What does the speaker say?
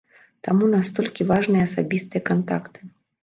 Таму, настолькі важныя асабістыя кантакты.